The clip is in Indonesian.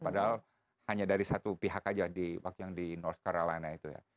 padahal hanya dari satu pihak saja waktu yang di north caralana itu ya